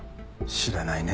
知らないね。